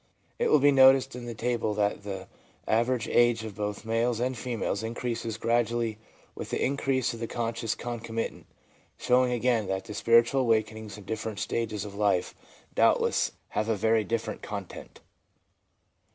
It will be noticed in the table that the average age of both males and females increases gradually with the increase of the conscious concomitant, showing again that spiritual awakenings in different stages of life doubtless have a very different content.